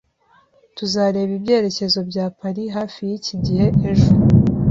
Tuzareba ibyerekezo bya Paris hafi yiki gihe ejo